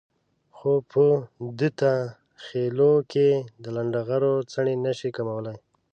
خو په دته خېلو کې د لنډغرو څڼې نشي کمولای.